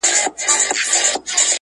چي قلا د یوه ورور یې آبادیږي!.